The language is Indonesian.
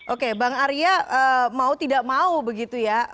oke bang arya mau tidak mau begitu ya